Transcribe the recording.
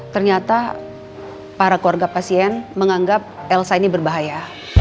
ternyata para keluarga pasien menganggap elsa ini berbahaya